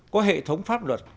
có hệ thống pháp luật